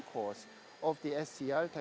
kami percaya bahwa